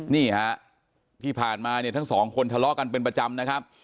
นี่ฮะที่ผ่านมาเนี่ยทั้งสองคนทะเลาะกันเป็นประจำนะครับ